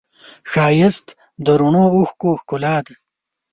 ښایست د رڼو اوښکو ښکلا ده